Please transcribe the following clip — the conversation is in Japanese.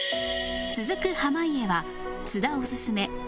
続く濱家は津田おすすめ